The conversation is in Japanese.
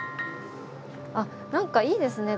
あっ何かいいですね。